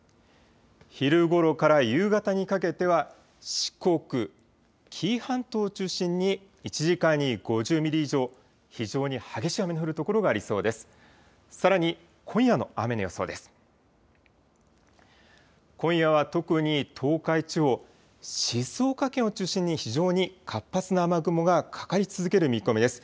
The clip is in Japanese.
昼ごろから夕方にかけては四国、紀伊半島を中心に１時間に５０ミリ以上、非常に激しい雨の降る所がありそうです。